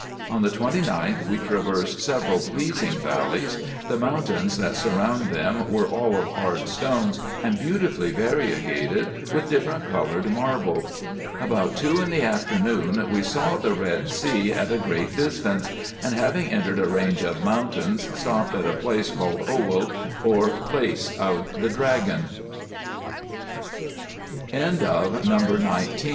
On the 29th we traversed several pleasing valleys. The moun tains that surrounded them were all of hard stones, and beautifully variegated with different coloured marble. About two in the afternoon we saw the Ked Sea at a great distance, and having entered a range of mountains, stopped at a place calle